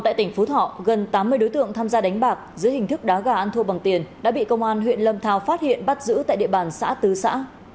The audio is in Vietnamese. tại tỉnh phú thọ gần tám mươi đối tượng tham gia đánh bạc dưới hình thức đá gà ăn thua bằng tiền đã bị công an huyện lâm thao phát hiện bắt giữ tại địa bàn xã tứ xã